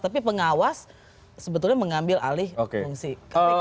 tapi pengawas sebetulnya mengambil alih fungsi kpk